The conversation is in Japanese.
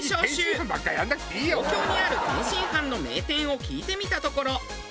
東京にある天津飯の名店を聞いてみたところ。